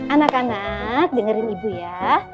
anak anak dengerin ibu ya